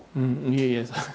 いえいえ。